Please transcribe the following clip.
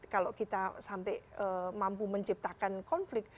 kalau kita sampai mampu menciptakan konflik